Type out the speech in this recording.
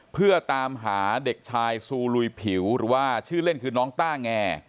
เพื่อตามหาเด็กชายซูลุยผิวหรือว่าชื่อเล่นคือน้องต้าแง